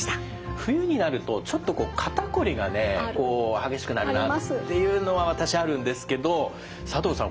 冬になるとちょっとこう肩こりがね激しくなるなっていうのは私あるんですけど佐藤さん